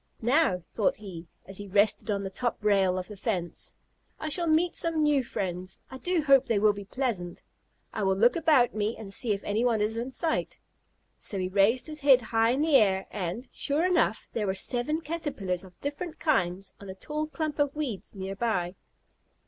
"Now," thought he, as he rested on the top rail of the fence, "I shall meet some new friends. I do hope they will be pleasant. I will look about me and see if anyone is in sight." So he raised his head high in the air and, sure enough, there were seven Caterpillars of different kinds on a tall clump of weeds near by.